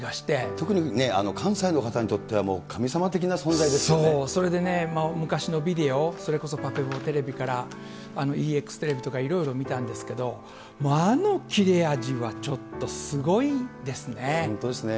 特に、関西の方にとってはもそう、それでね、昔のビデオ、それこそぱぺぽテレビから、イーエックステレビとかいろいろ見たんですけれども、あの切れ味本当ですね。